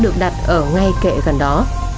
có ngay kệ gần đó